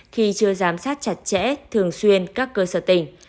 khi chưa giám sát chặt chẽ thường xuyên các cơ sở tỉnh